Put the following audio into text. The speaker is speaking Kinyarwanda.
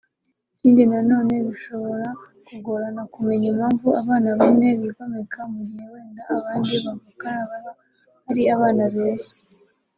Ikindi nanone bishobora kugorana kumenya impamvu abana bamwe bigomeka mu gihe wenda abandi bavukana baba ari abana beza